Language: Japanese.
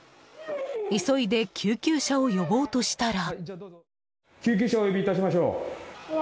急いで救急車を呼ぼうとしたら。